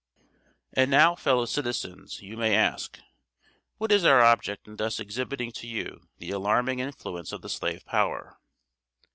"And now, fellow citizens, you may ask, what is our object in thus exhibiting to you the alarming influence of the slave power?